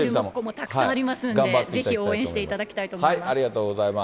たくさんありますんで、ぜひ応援していただきたいと思います。